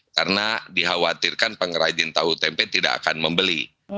karena dikhawatirkan pengrajin tahu tempe tidak akan membeli